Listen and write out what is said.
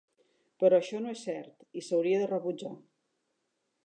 Però això no és cert i s'hauria de rebutjar.